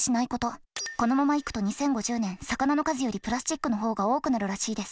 このままいくと２０５０年魚の数よりプラスチックの方が多くなるらしいです。